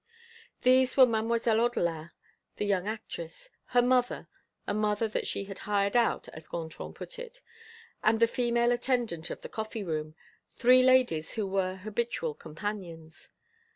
These were Mademoiselle Odelin, the young actress; her mother, a mother that she had hired out, as Gontran put it, and the female attendant of the coffee room, three ladies who were habitual companions.